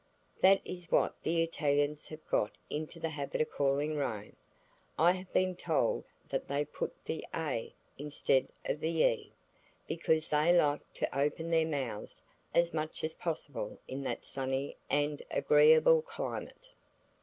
That is what the Italians have got into the habit of calling Rome. I have been told that they put the "a" instead of the "e" because they like to open their mouths as much as possible in that sunny and agreeable climate.